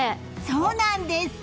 そうなんです。